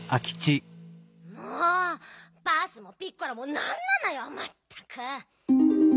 もうバースもピッコラもなんなのよまったく！